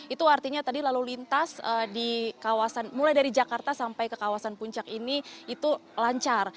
itu artinya tadi lalu lintas di kawasan mulai dari jakarta sampai ke kawasan puncak ini itu lancar